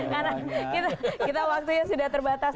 karena kita waktunya sudah terbatas